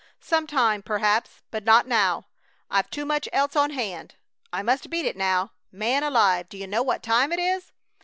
"Some time, perhaps, but not now! I've too much else on hand! I must beat it now! Man alive! Do you know what time it is?